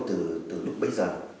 từ lúc bây giờ